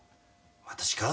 私か？